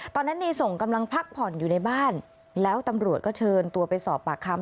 ในส่งกำลังพักผ่อนอยู่ในบ้านแล้วตำรวจก็เชิญตัวไปสอบปากคำ